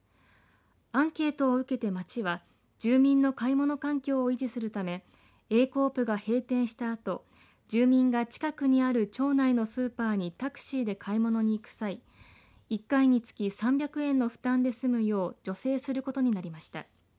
アンケートを受けて町は住民の買い物環境を維持するためＡコープが閉店したあと住民が近くにある町内のスーパーにタクシーで買い物に行く際１回につき３００円の負担で済むよう助成することになりました。